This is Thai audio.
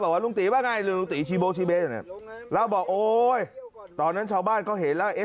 บอกว่ารุ่งตีร์ว่าไงรุ่งตีร์ชีโบ้ชีเบสแล้วบอกโอ๊ยตอนนั้นชาวบ้านก็เห็นแล้ว